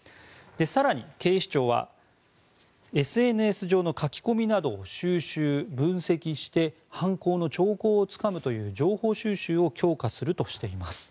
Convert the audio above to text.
更に、警視庁はＳＮＳ上の書き込みなどを収集・分析して犯行の兆候をつかむという情報収集を強化するとしています。